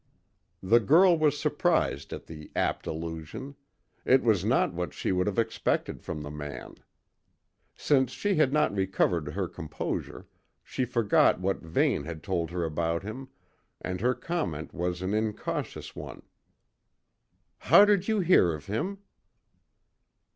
The girl was surprised at the apt allusion; it was not what she would have expected from the man. Since she had not recovered her composure, she forgot what Vane had told her about him, and her comment was an incautious one. "How did you hear of him?"